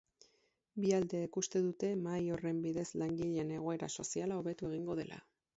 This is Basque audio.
Bi aldeek uste dute mahai horren bidez langileen egoera soziala hobetu egingo dela.